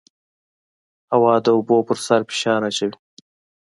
هوا د اوبو پر سر فشار اچوي.